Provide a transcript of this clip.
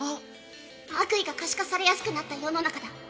「悪意が可視化されやすくなった世の中だ」